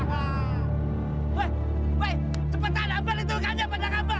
woi woi cepetan abang diturunkan aja pada kapal